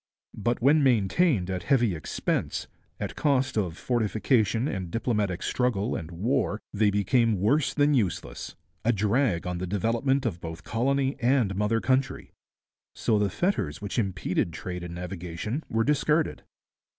But when maintained at heavy expense, at cost of fortification and diplomatic struggle and war, they became worse than useless, a drag on the development of both colony and mother country. So the fetters which impeded trade and navigation were discarded.